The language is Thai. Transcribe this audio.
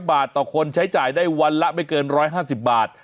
บาทต่อคนใช้จ่ายได้วันละไม่เกิน๑๕๐บาท